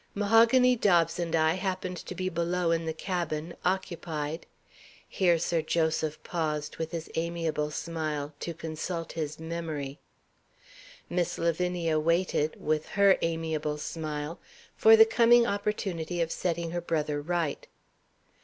Mahogany Dobbs and I happened to be below in the cabin, occupied " Here Sir Joseph paused (with his amiable smile) to consult his memory. Miss Lavinia waited (with her amiable smile) for the coming opportunity of setting her brother right.